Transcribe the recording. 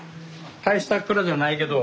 大した蔵じゃないけど。